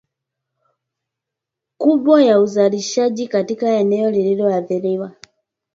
kubwa ya uzalishaji katika eneo lililoathiriwa